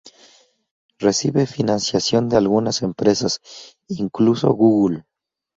Recibe financiación de algunas empresas, incluso Google.